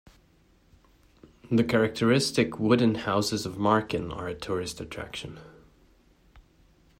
The characteristic wooden houses of Marken are a tourist attraction.